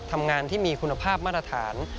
ทำงานที่มีคุณภาพมาตรฐาน